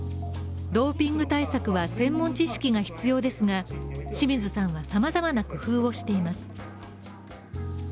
ドーピング対策は専門知識が必要ですが清水さんは、様々な工夫をしています。